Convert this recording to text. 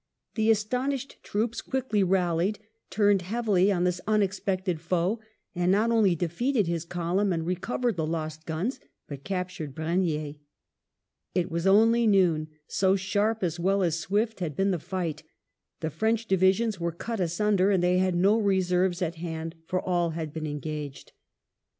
The astonished troops quickly rallied^ turned heavily on this unexpected foe, and not only defeated his column and recovered the lost guns, but captured Brenier. It was only noon, so sharp as well as swift had been the fight The French divisions were cut asunder, and they had no reserves at hand, for all had been engaged.